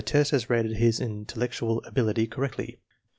test has rated his intellec tual ability correctly.